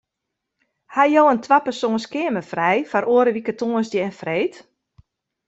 Ha jo in twapersoans keamer frij foar oare wike tongersdei en freed?